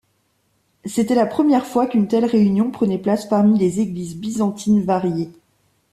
C’était la première fois qu’une telle réunion prenait place parmi les églises byzantines variées.